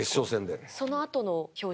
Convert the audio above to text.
そのあとの表情。